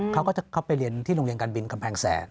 เขาก็เข้าไปเรียนที่โรงเรียนการบินกำแพงแสน